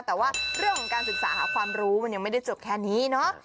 แต่ว่าเรื่องของการศึกษาหาความรู้มันยังไม่ได้จบแค่นี้เนาะ